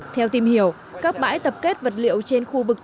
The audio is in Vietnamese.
theo tìm hiểu các bãi tập kết vật liệu trên khu vực